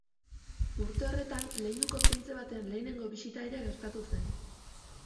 Urte horretan, leinuko printze baten lehenengo bisita ere gertatu zen.